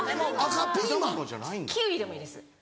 キウイでもいいです。